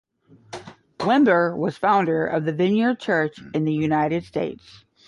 Wimber was founder of the Vineyard Church in the United States.